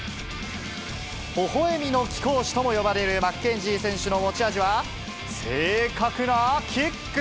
ほほえみの貴公子とも呼ばれるマッケンジー選手の持ち味は、正確なキック。